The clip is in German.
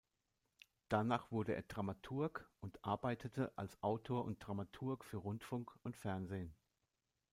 Danach wurde er Dramaturg und arbeitete als Autor und Dramaturg für Rundfunk und Fernsehen.